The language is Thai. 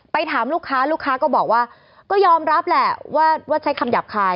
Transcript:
ถามลูกค้าลูกค้าก็บอกว่าก็ยอมรับแหละว่าใช้คำหยาบคาย